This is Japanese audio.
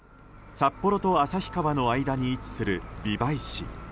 札幌と旭川の間に位置する美唄市。